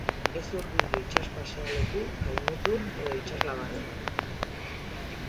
Ez hurbildu itsas pasealeku, kai-mutur edo itsaslabarretara.